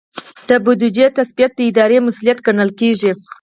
د بودیجې تثبیت د ادارې مسؤلیت ګڼل کیږي.